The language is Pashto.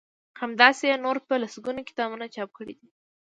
همداسی يې نور په لسګونه کتابونه چاپ کړي دي